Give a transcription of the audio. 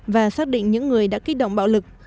và xác định những người đã kích động bạo lực